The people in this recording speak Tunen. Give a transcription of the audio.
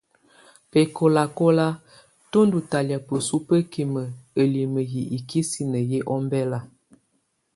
Bɛ̀kɔ̀làkɔ̀la, tù ndú ɲtalɛ̀á bǝsu bǝkimǝ ǝlimǝ yɛ ikisinǝ yɛ́ ɔmbɛla.